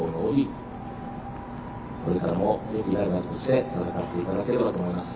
これからもよきライバルとして戦っていただければと思います。